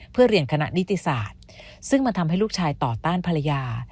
เพื่อเรียนคณะนิติศาสตร์ซึ่งมันทำให้ลูกชายต่อต้านภรรยา